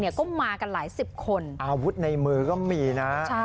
ก็มากันหลายสิบคนอาวุธในมือก็มีนะ